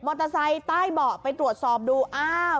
เตอร์ไซค์ใต้เบาะไปตรวจสอบดูอ้าว